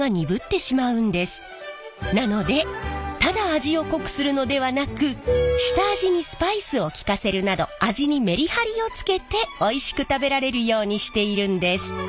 なのでただ味を濃くするのではなく下味にスパイスを効かせるなど味にメリハリをつけておいしく食べられるようにしているんです。